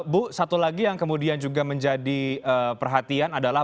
bu satu lagi yang kemudian juga menjadi perhatian adalah